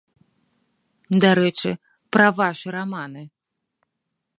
Дарэчы, пра вашы раманы.